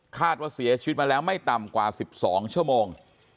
คาดว่าเสียชีวิตมาแล้วไม่ต่ำกว่า๑๒ชั่วโมง